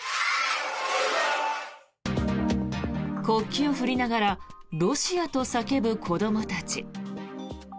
国旗を振りながらロシアと叫ぶ子どもたち。